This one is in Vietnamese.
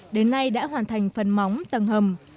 đến nay đã hoàn thành phần móng tầng hầm